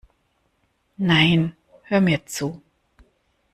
Nein, hör mir zu!